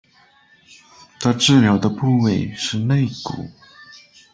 她治疗的部位是肋骨。